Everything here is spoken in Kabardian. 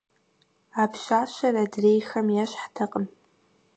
А пщащэр адрейхэм ещхьтэкъым.